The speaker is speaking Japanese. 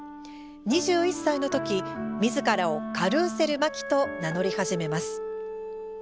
２１歳の時みずからをカルーセル麻紀と名乗り始めます。